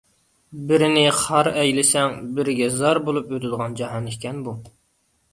بىرىنى خار ئەيلىسەڭ، بىرىگە زار بولۇپ ئۆتىدىغان جاھان ئىكەن بۇ.